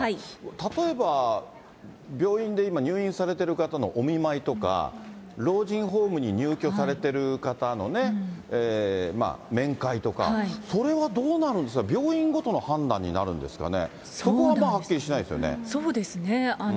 例えば病院で今、入院されてる方のお見舞いとか、老人ホームに入居されてる方のね、面会とか、それはどうなるんですか、病院ごとの判断になるんですかね。